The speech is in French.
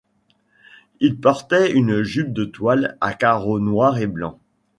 Il portait une jupe de toile à carreaux noirs et blancs.